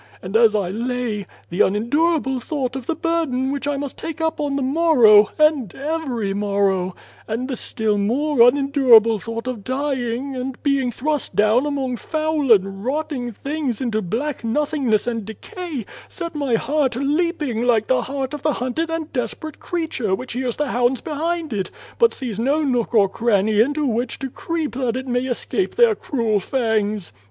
And, as I lay, the unendurable thought of the burden which I must take up on the morrow and every morrow ; and the still more unendurable thought of dying, and being thrust down among foul and rotting things into black nothingness and decay, set my heart leaping like the heart of the hunted and desperate creature which hears the hounds behind it, but sees no nook or cranny into which to creep that it may escape their cruel fangs.